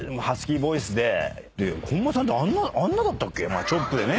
まあチョップでね。